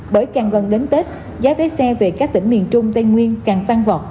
bởi càng gần đến tết giá vé xe về các tỉnh miền trung tây nguyên càng tăng vọt